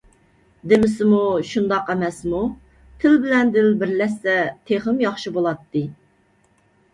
دېمىسىمۇ شۇنداق ئەمەسمۇ، تىل بىلەن دىل بىرلەشسە تېخىمۇ ياخشى بولاتتى.